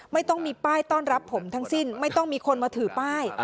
ไม่ต้องมีป้ายต้อนรับผมทั้งสิ้นไม่ต้องมีคนมาถือป้าย